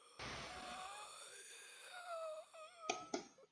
Coordinador de Enseñanza del Departamento de Bioquímica.